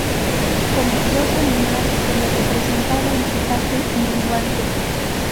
Como diosa lunar se le representaba en su fase menguante.